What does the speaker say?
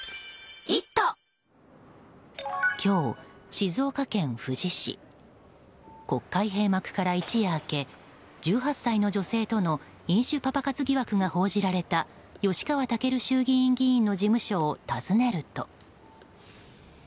今日、静岡県富士市国会閉幕から一夜明け１８歳の女性との飲酒パパ活疑惑が報じられた吉川赳衆議院議員の事務所を訪ねると。